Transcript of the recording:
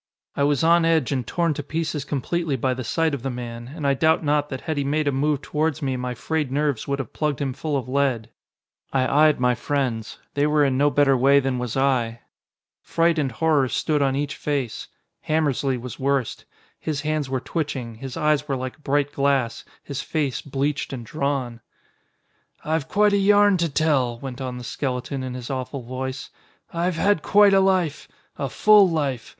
I was on edge and torn to pieces completely by the sight of the man, and I doubt not that had he made a move towards me my frayed nerves would have plugged him full of lead. I eyed my friends. They were in no better way than was I. Fright and horror stood on each face. Hammersly was worst. His hands were twitching, his eyes were like bright glass, his face bleached and drawn. "I've quite a yarn to tell," went on the skeleton in his awful voice. "I've had quite a life. A full life.